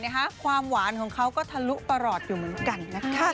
ความหวานของเขาก็ทะลุประหลอดอยู่เหมือนกันนะคะ